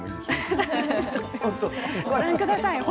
ご覧ください。